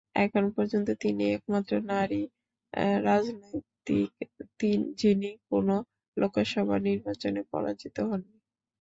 এখন পর্যন্ত তিনিই একমাত্র নারী রাজনীতিক, যিনি কোনো লোকসভা নির্বাচনে পরাজিত হননি।